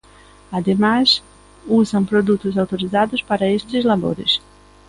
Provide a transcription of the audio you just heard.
Ademais, usan produtos autorizados para estes labores.